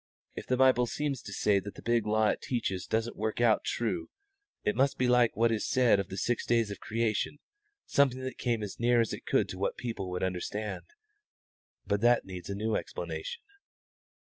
If the Bible seems to say the big law it teaches doesn't work out true, it must be like what is said of the six days of creation, something that came as near as it could to what people would understand, but that needs a new explanation."